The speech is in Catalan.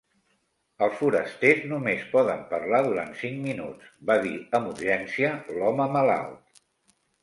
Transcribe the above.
Els forasters només poden parlar durant cinc minuts, va dir amb urgència l"home malalt.